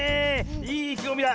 いいいきごみだ。